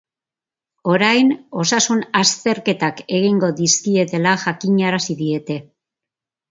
Orain osasun azterketak egingo dizkietela jakinarazi diete.